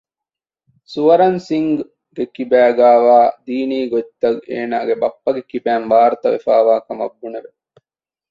ސުވަރަންސިންގ ގެ ކިބައިގައިވާ ދީނީ ގޮތްތައް އޭނާގެ ބައްޕަގެ ކިބައިން ވާރުތަވެފައިވާ ކަމަށް ބުނެވެ